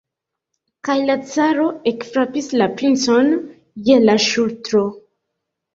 Kaj la caro ekfrapis la princon je la ŝultro.